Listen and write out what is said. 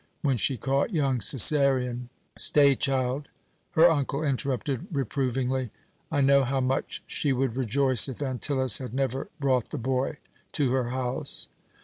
When she caught young Cæsarion " "Stay, child," her uncle interrupted reprovingly. "I know how much she would rejoice if Antyllus had never brought the boy to her house."